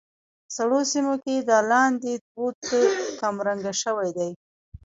په سړو سيمو کې د لاندي دود کمرنګه شوى دى.